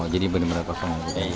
jadi berapa rumah sekarang